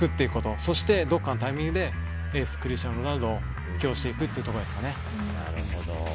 そして、どこかのタイミングでエースクリスチアーノ・ロナウドを起用していくということですかね。